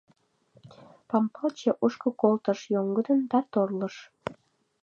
Пампалче Ошкыл колтыш йоҥгыдын да торлыш.